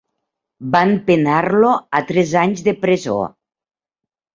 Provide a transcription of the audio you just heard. Van penar-lo a tres anys de presó.